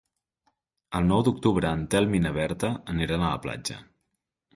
El nou d'octubre en Telm i na Berta aniran a la platja.